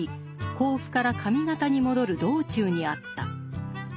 甲府から上方に戻る道中にあった。